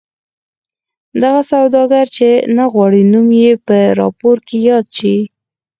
دغه سوداګر چې نه غواړي نوم یې په راپور کې یاد شي.